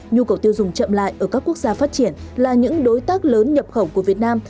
nhu cầu tiêu dùng chậm lại ở các quốc gia phát triển là những đối tác lớn nhập khẩu của việt nam